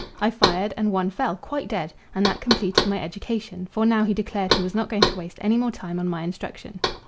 I fired, and one fell, quite dead, and that completed my education, for now he declared he was not going to waste any more time on my instruction.